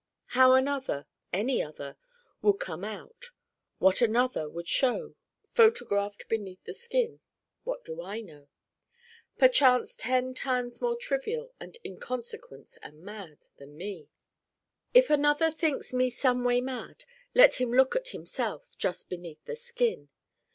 How Another, any Other, would come out: what Another would show: photographed Beneath the Skin what do I know? Perchance ten times more trivial and inconsequent and mad than Me. If Another thinks Me someway mad, let him look at Himself Just Beneath the Skin.